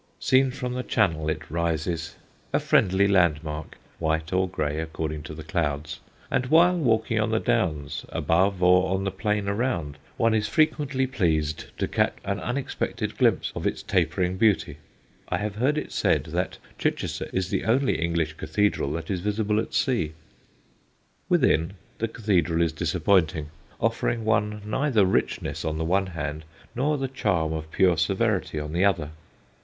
Seen from the Channel it rises, a friendly landmark (white or gray, according to the clouds), and while walking on the Downs above or on the plain around, one is frequently pleased to catch an unexpected glimpse of its tapering beauty. I have heard it said that Chichester is the only English cathedral that is visible at sea. Within, the cathedral is disappointing, offering one neither richness on the one hand nor the charm of pure severity on the other.